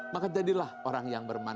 maka jadilah orang yang bermanfaat